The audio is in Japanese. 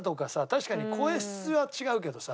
確かに声質は違うけどさ。